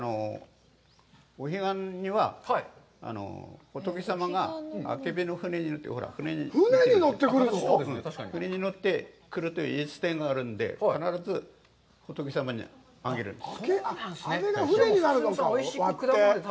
お彼岸には仏様があけびの舟に乗ってくるという言い伝えがあるので、必ず仏様に上げるんです。